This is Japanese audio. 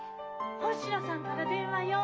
・星野さんから電話よ！